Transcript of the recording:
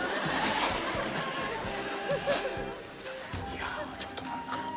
いやちょっとなんか。